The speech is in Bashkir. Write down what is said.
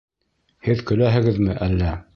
Һеҙ көләһегеҙме әллә?